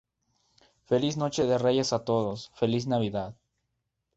feliz noche de Reyes a todos. feliz Navidad.